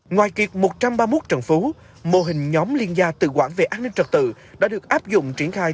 ngoài kiệt một trăm ba mươi một trần phú mô hình nhóm liên gia tự quản về an ninh trật tự đã được áp dụng triển khai